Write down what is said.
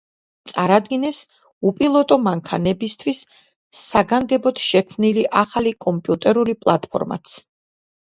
წარადგინეს უპილოტო მანქანებისთვის საგანგებოდ შექმნილი ახალი კომპიუტერული პლატფორმაც.